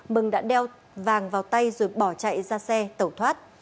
mừng đã đeo vàng vào tay rồi bỏ chạy ra xe tẩu thoát